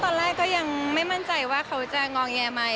ตอนแรกก็ยังไม่มั่นใจว่าเขาจะงอแงไหม